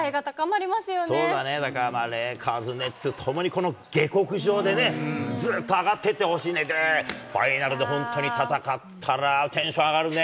そうだね、レイカーズ、ネッツ、ともにこの下克上でね、ずっと上がっていってほしいね、ファイナルで本当に戦ったら、テンション上がるね。